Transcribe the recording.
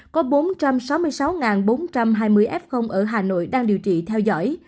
có bốn trăm sáu mươi sáu bốn trăm hai mươi f ở hà nội đang điều trị theo dõi